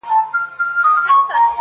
انټرنېټ معلومات هرچا ته رسوي